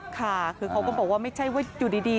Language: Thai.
ค่ะคือเขาก็บอกว่าไม่ใช่ว่าอยู่ดี